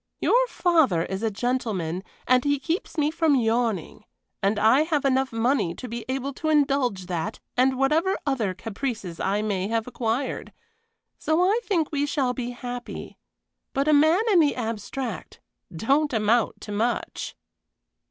Your father is a gentleman and he keeps me from yawning, and I have enough money to be able to indulge that and whatever other caprices I may have acquired; so I think we shall be happy. But a man in the abstract don't amount to much!"